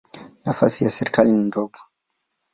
Nafasi ya serikali ni ndogo.